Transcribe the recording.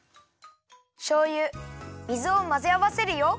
しょうゆ水をまぜあわせるよ。